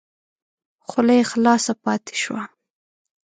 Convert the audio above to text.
خوله یې خلاصه پاته شوه !